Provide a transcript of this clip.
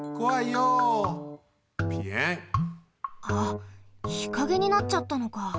あっ日陰になっちゃったのか。